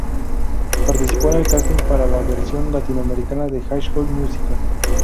Participó en el casting para la versión latinoamericana de High School Musical.